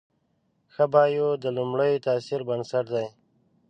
ښه بایو د لومړي تاثر بنسټ دی.